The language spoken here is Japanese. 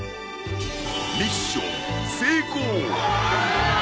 ミッション成功！